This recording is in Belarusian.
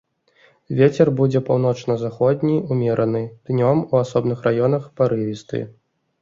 Вецер будзе паўночна-заходні, умераны, днём у асобных раёнах парывісты.